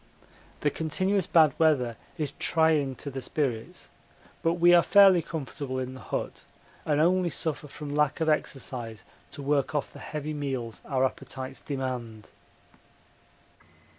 The continuous bad weather is trying to the spirits, but we are fairly comfortable in the hut and only suffer from lack of exercise to work off the heavy meals our appetites demand.